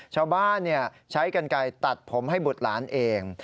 ชาวบ้านใช้กันไกลตัดผมให้บุตรหลานเอง